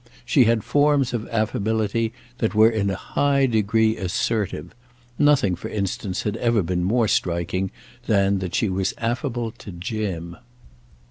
She had forms of affability that were in a high degree assertive; nothing for instance had ever been more striking than that she was affable to Jim.